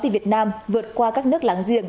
việt nam vượt qua các nước láng giềng